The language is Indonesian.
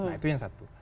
nah itu yang satu